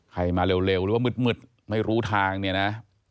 มาเร็วหรือว่ามืดไม่รู้ทางเนี่ยนะ